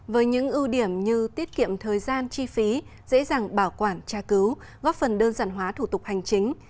với những ưu điểm như tiết kiệm thời gian chi phí dễ dàng bảo quản tra cứu góp phần đơn giản hóa thủ tục hành chính